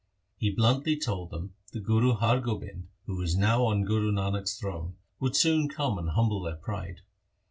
He bluntly told them that Guru Har Gobind, who was now on Guru Nanak's throne, would soon come and humble their pride.